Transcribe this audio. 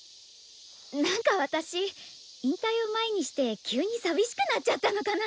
なんか私引退を前にして急に寂しくなっちゃったのかな？